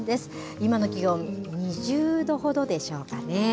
今の気温、２０度ほどでしょうかね。